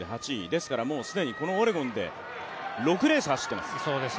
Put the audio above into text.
ですから、もう既にこのオレゴンで６レース走っています。